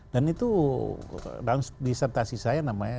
dan itu dalam disertasi saya namanya